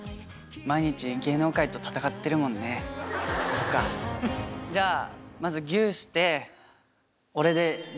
そっかじゃあまず。